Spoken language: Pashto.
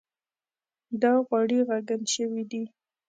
دا غوړي ږغن شوي دي.